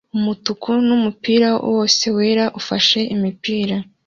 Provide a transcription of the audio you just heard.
Umutuku mumupira wose wera ufashe imipira